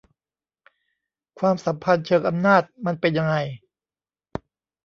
ความสัมพันธ์เชิงอำนาจมันเป็นยังไง